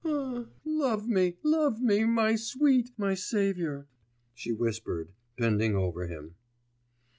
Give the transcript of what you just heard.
'Ah, love me, love me, my sweet, my saviour,' she whispered, bending over him.